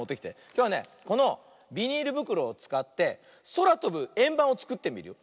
きょうはねこのビニールぶくろをつかってそらとぶえんばんをつくってみるよ。